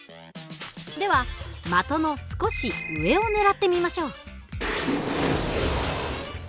では的の少し上をねらってみましょう。